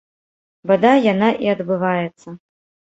Бадай, яна і адбываецца.